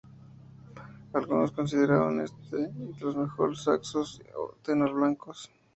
Algunos le consideraban entre los mejores saxos tenor blancos.